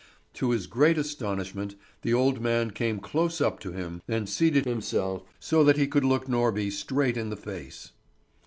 To his great astonishment the old man came close up to him and seated himself so that he could look Norby straight in the face.